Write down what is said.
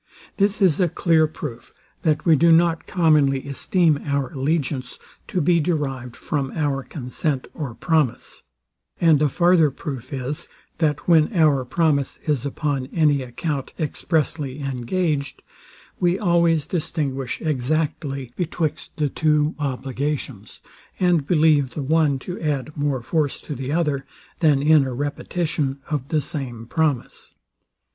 This is a clear proof, that we do not commonly esteem our allegiance to be derived from our consent or promise; and a farther proof is, that when our promise is upon any account expressly engaged, we always distinguish exactly betwixt the two obligations, and believe the one to add more force to the other, than in a repetition of the same promise.